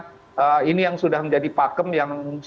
karena ini yang sudah menjadi pakem yang sejak pelawan kali ini